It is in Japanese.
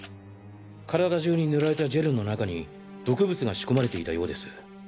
体中に塗られたジェルの中に毒物が仕込まれていたようです。